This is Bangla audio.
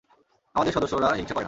আমাদের সদস্যরা হিংসা করে না।